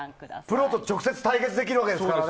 プロと直接対決できるわけですからね。